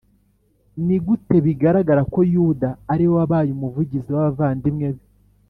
ni gute bigaragara ko Yuda ari we wabaye umuvugizi w abavandimwe be